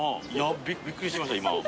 びっくりしました今。